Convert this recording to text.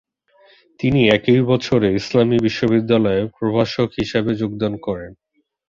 তিনি একই বছরে ইসলামী বিশ্ববিদ্যালয়ে প্রভাষক হিসাবে যোগদান করেন।